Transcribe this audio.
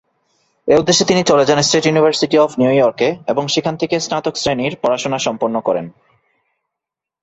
এ উদ্দেশ্যে তিনি চলে যান স্টেট ইউনিভার্সিটি অফ নিউ ইয়র্ক-এ এবং সেখান থেকেই স্নাতক শ্রেণীর পড়াশোনা সম্পন্ন করেন।